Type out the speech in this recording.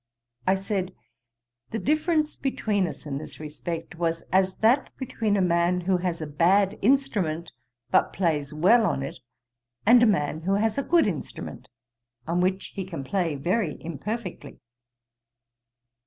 I said, the difference between us in this respect was as that between a man who has a bad instrument, but plays well on it, and a man who has a good instrument, on which he can play very imperfectly.